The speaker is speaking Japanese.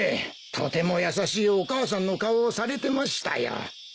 とても優しいお母さんの顔をされてましたよ。